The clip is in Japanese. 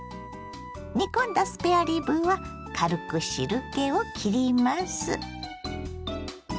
煮込んだスペアリブは軽く汁けをきります。